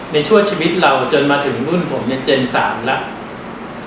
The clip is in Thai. ชั่วชีวิตเราจนมาถึงรุ่นผมเนี่ยเจน๓แล้ว